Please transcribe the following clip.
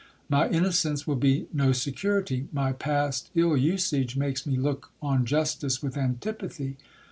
My innocence will be no security ; my past ill usage makes me look on justice with antipathy.